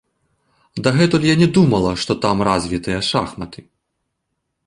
Дагэтуль я не думала, што там развітыя шахматы.